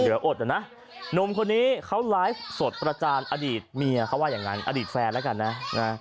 อดอ่ะนะหนุ่มคนนี้เขาไลฟ์สดประจานอดีตเมียเขาว่าอย่างนั้นอดีตแฟนแล้วกันนะนะ